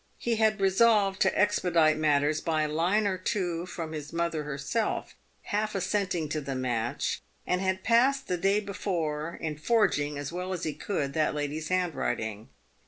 He had resolved to expedite matters by a line or two from his mother herself, half assenting to the match, and had passed the day before in forging as well as he could that lady's hand writing.